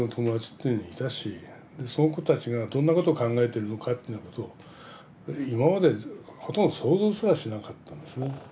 その子たちがどんなことを考えてるのかっていうようなことを今までほとんど想像すらしなかったんですね。